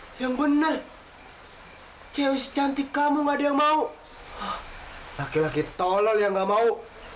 oh yang benar cewek cantik kamu gak ada yang mau laki laki tolong yang gak mau